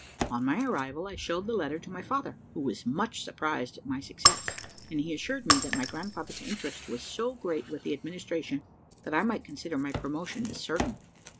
On my arrival I showed the letter to my father, who was much surprised at my success, and he assured me that my grandfather's interest was so great with the Administration, that I might consider my promotion as certain.